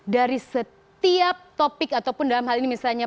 dari setiap topik ataupun dalam hal ini misalnya